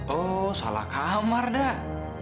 oh salah kamar dah